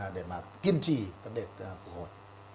để mà kiên trì vấn đề phục hồi